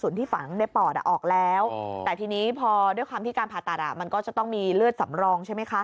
แต่ทีนี้พอด้วยความที่การผ่าตัดมันก็จะต้องมีเลือดสำรองใช่ไหมค่ะ